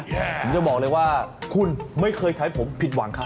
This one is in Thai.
ผมจะบอกเลยว่าคุณไม่เคยแถวผมผิดหวังครับ